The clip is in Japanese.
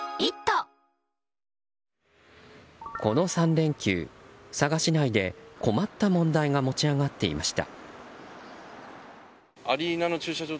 この３連休、佐賀市内で困った問題が持ち上がっていました。